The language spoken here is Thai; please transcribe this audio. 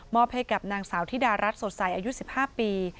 ให้กับนางสาวธิดารัฐสดใสอายุ๑๕ปี